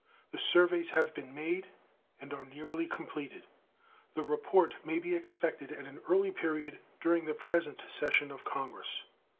The surveys have been made and are nearly completed. The report may be expected at an early period during the present session of Congress.